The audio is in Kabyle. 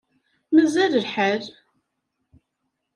Mazal lḥal.